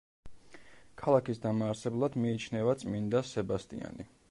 ქალაქის დამაარსებლად მიიჩნევა წმინდა სებასტიანი.